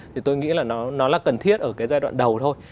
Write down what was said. thì tôi nghĩ là nó là cần thiết ở cái giai đoạn đầu thôi